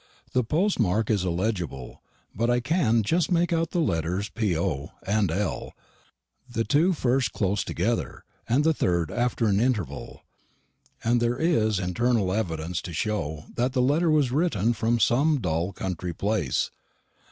The postmark is illegible; but I can just make out the letters PO and L, the two first close together, the third after an interval; and there is internal evidence to show that the letter was written from some dull country place.